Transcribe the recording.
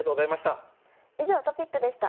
以上トピックでした。